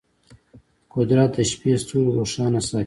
قدرت د شپې ستوري روښانه ساتي.